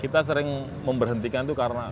kita sering memberhentikan itu karena